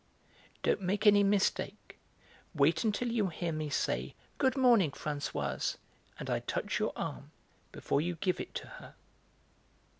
Don't make any mistake. Wait until you hear me say 'Good morning, Françoise,' and I touch your arm before you give it to her."